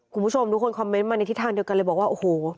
คุณผู้ชมทุกคนคอมเมนต์มาในทิศทางเดียวกันเลยบอกว่าโอ้โห